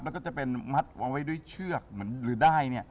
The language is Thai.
แล้วก็จะเป็นมัดวางไว้ด้วยเชือกหรือด้ายนี่